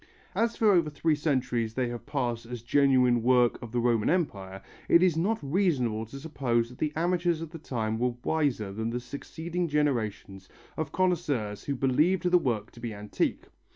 As for over three centuries they have passed as genuine work of the Roman Empire, it is not reasonable to suppose that the amateurs of the time were wiser than the succeeding generations of connoisseurs who believed the work to be antique.